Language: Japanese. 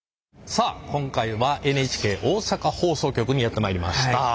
さあ今回はＮＨＫ大阪放送局にやって参りました。